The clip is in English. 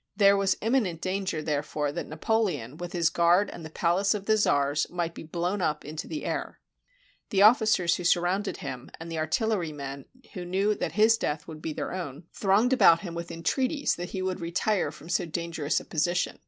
There was imminent danger, therefore, that Napoleon with his guard, and the palace of the czars, might be blown up into the air. The officers who surrounded him, and the artillery men, who knew that his death would be their own, 123 RUSSIA thronged about him with entreaties that he would retire from so dangerous a position.